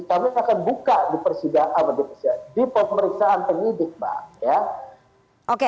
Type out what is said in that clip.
kami akan buka di persidangan di persidangan di pemeriksaan penyidik pak